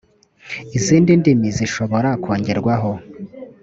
izindi ndimi zishobora kongerwaho